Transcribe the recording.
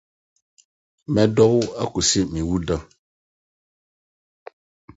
Mɛdɔ wo kɔsi me wuda